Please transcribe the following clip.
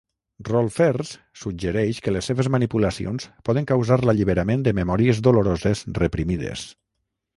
Rolfers suggereix que les seves manipulacions poden causar l'alliberament de memòries doloroses reprimides.